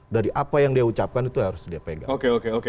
dari apa yang dia ucapkan itu harus dia pegang